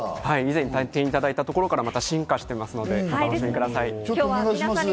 以前体験いただいたところからまた進化していますので。